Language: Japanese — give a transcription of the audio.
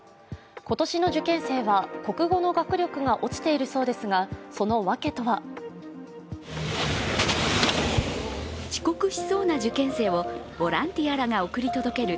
今年の受験生は国語の学力が落ちているそうですがそのわけとは？遅刻しそうな受験生をボランティアらが送り届ける